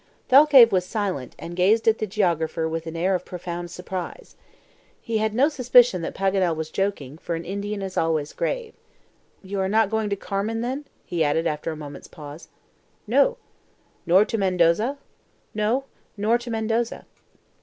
Thalcave was silent, and gazed at the geographer with an air of profound surprise. He had no suspicion that Paganel was joking, for an Indian is always grave. "You are not going to Carmen, then?" he added, after a moment's pause. "No." "Nor to Mendoza?" "No, nor to Mendoza."